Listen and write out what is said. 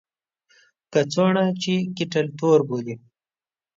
کڅوړه چې کیټل تور بولي.